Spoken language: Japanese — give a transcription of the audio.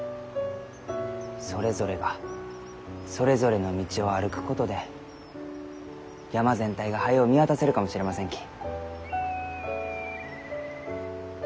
それぞれがそれぞれの道を歩くことで山全体が早う見渡せるかもしれませんき。